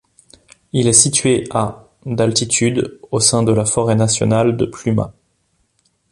Il est situé à d'altitude au sein de la forêt nationale de Plumas.